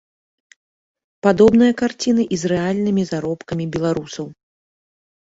Падобная карціна і з рэальнымі заробкамі беларусаў.